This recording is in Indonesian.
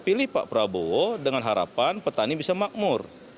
pilih pak prabowo dengan harapan petani bisa makmur